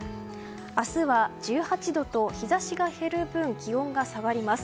明日は１８度と、日差しが減る分気温が下がります。